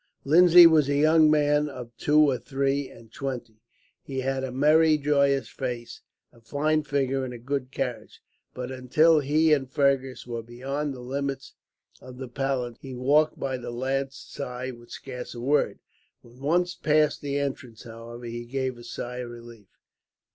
Lindsay was a young man of two or three and twenty. He had a merry, joyous face, a fine figure, and a good carriage; but until he and Fergus were beyond the limits of the palace, he walked by the lad's side with scarce a word. When once past the entrance, however, he gave a sigh of relief.